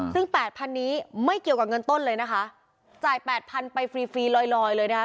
ซึ่งแปดพันนี้ไม่เกี่ยวกับเงินต้นเลยนะคะจ่ายแปดพันไปฟรีฟรีลอยลอยเลยนะคะ